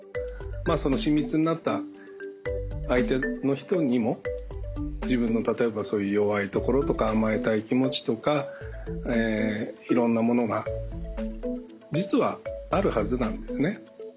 その親密になった相手の人にも自分の例えばそういう弱いところとか甘えたい気持ちとかいろんなものが実はあるはずなんですね。